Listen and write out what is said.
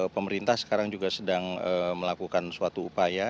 pemerintah sekarang juga sedang melakukan suatu upaya